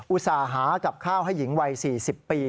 อุตส่าห์หากับข้าวให้หญิงวัย๔๐ปี